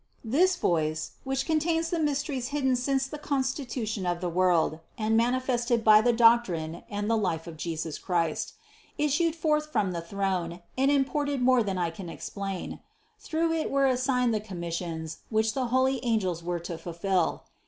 114. This voice (which contains the mysteries hidden since the constitution of the world and manifested by the doctrine and the life of Jesus Christ), issued forth from the throne and imported more than I can explain. Through it were assigned the commissions, which the holy angels were to fulfill.